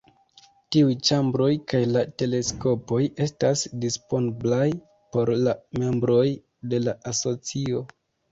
Tiuj ĉambroj kaj la teleskopoj estas disponblaj por la membroj de la asocio.